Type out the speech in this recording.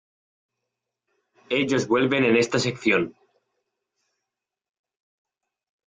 Ellos vuelven en esta sección.